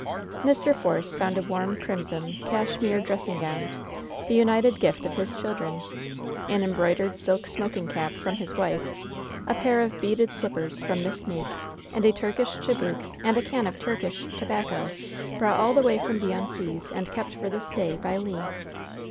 Mr. Force found a warm, crimson, cashmere dressing gown, the united gift of his children; an embroidered silk smoking cap, from his wife; a pair of beaded slippers, from Miss Meeke, and a Turkish chibouk and a can of Turkish tobacco, brought all the way from beyond seas and kept for this day, by Le.